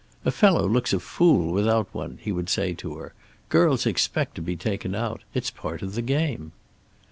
"A fellow looks a fool without one," he would say to her. "Girls expect to be taken out. It's part of the game."